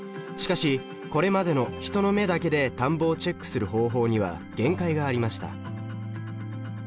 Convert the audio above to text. しかしこれまでの人の目だけで田んぼをチェックする方法には限界がありました。